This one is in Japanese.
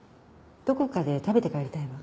どこかで食べて帰りたいわ。